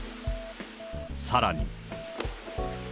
さらに。